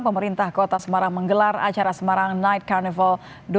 pemerintah kota semarang menggelar acara semarang night carnival dua ribu dua puluh